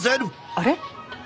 あれ？